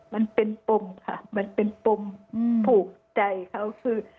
มันเป็นปมค่ะมันเป็นปมผูกใจเขาคือ